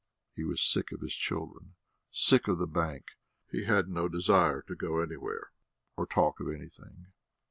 He was sick of his children, sick of the bank; he had no desire to go anywhere or to talk of anything.